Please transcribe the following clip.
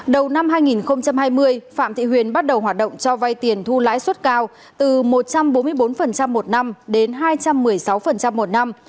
đầu năm hai nghìn hai mươi phạm thị huyền bắt đầu hoạt động cho vay tiền thu lãi suất cao từ một trăm bốn mươi bốn một năm đến hai trăm một mươi sáu một năm